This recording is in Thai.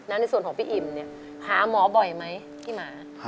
ในส่วนของพี่อิ่มเนี่ยหาหมอบ่อยไหมพี่หมา